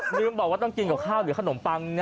ลืมบอกว่าต้องกินกับข้าวหรือขนมปัง